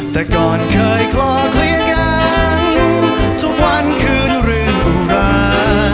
แต่ก่อนเคยขอเคลียร์กันทุกวันคืนเรือนกุมภา